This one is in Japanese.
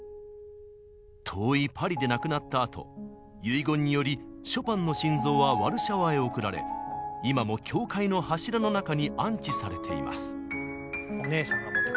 遠いパリで亡くなったあと遺言によりショパンの心臓はワルシャワへ送られ今も教会の柱の中に安置されています。